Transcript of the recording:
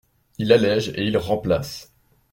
Il allège et il remplace.